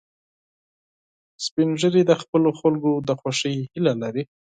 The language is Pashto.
سپین ږیری د خپلو خلکو د خوښۍ هیله لري